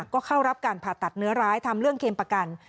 ก็เข้ารับการผ่าตัดเนื้อร้ายทำเรื่องเค็มประกัน